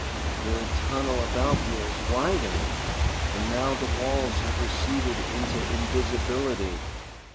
"The tunnel about me is widening and now the walls have receded into invisibility.